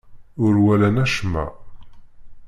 Ur walan acemma.